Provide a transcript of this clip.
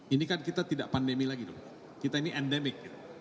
ini kan kita tidak pandemi lagi dong kita ini endemik